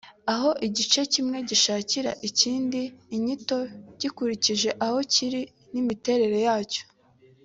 aho igice kimwe gishakira ikindi inyito gikurikije aho kiri n’imitere yacyo